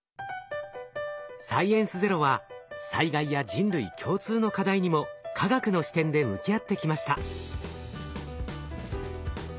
「サイエンスＺＥＲＯ」は災害や人類共通の課題にも科学の視点で向き合ってきました。